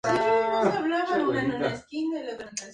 Se especializó enfáticamente en la flora de Persia.